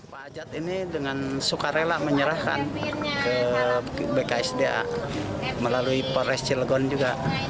pak hajat ini dengan suka rela menyerahkan ke bksda melalui polres cilegon juga